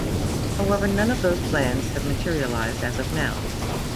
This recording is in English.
However, none of those plans have materialised as of now.